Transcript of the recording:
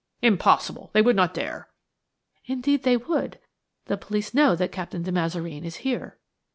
"Impossible! They would not dare!" "Indeed they would. The police know that Captain de Mazareen is here."